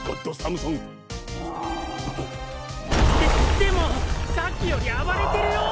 ででもさっきより暴れてるよ！